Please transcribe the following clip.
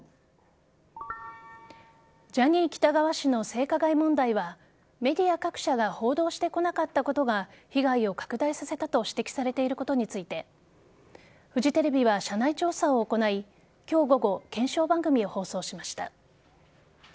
ジャニー喜多川氏の性加害問題はメディア各社が報道してこなかったことが被害を拡大させたと指摘されていることについてフジテレビは、社内調査を行い今日午後検証番組を放送しました。